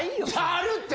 あるって！